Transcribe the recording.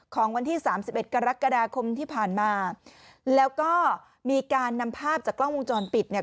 ของวันที่สามสิบเอ็ดกรกฎาคมที่ผ่านมาแล้วก็มีการนำภาพจากกล้องวงจรปิดเนี่ย